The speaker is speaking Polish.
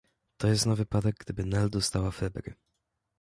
To jest na wypadek, gdyby Nel dostała febry.